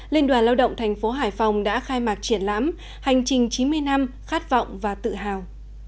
liên đoàn lao động thành phố hải phòng đã khai mạc triển lãm hành trình chín mươi năm khát vọng và tự hào